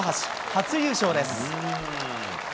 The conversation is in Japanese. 初優勝です。